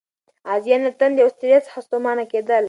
غازیان له تندې او ستړیا څخه ستومانه کېدل.